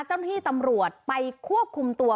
เจ้าหน้าที่ตำรวจไปควบคุมตัว